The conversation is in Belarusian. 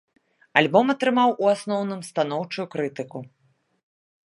Альбом атрымаў у асноўным станоўчую крытыку.